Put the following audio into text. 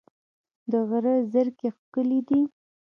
د غره زرکې ښکلې دي